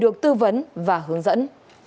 được tư vấn và hướng dẫn